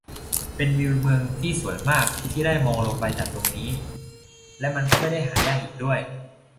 เป็นวิวเมืองที่สวยมากที่ได้มองลงไปจากตรงนี้ และมันก็ไม่ได้หายากอีกด้วย